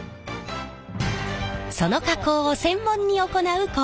その加工を専門に行う工場へ。